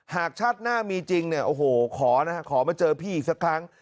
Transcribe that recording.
หากชาติหน้ามีจริงเนี่ยโอ้โหขอนะขอมาเจอพี่อีกสักครั้ง